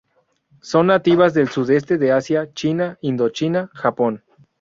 Son nativas del sudeste de Asia: China, Indochina, Japón.